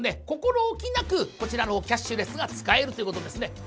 心置きなくこちらのキャッシュレスが使えるということですね。